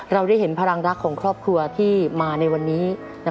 เราได้เห็นพลังรักของครอบครัวที่มาในวันนี้